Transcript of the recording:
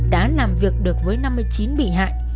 đã làm việc được với năm mươi chín bị hại